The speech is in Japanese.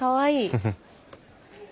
フフッ。